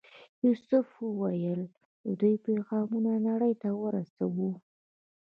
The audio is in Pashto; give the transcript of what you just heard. یوسف وویل چې د دوی پیغامونه نړۍ ته ورسوو.